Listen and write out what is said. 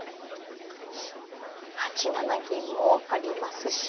８七銀もありますし。